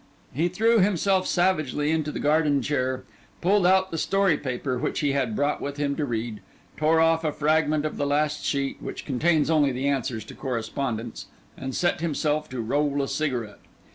He threw himself savagely into the garden chair, pulled out the story paper which he had brought with him to read, tore off a fragment of the last sheet, which contains only the answers to correspondents, and set himself to roll a cigarette.